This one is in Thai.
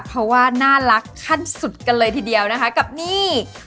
เพราะว่าน่ารักขั้นสุดกันเลยทีเดียวนะคะกับนี่